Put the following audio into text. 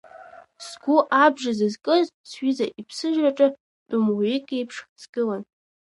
Сгәы абжа зызкыз сҩыза иԥсыжраҿы тәымуаҩык иеиԥш сгылан.